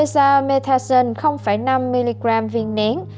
dexamethasone năm mg viên nén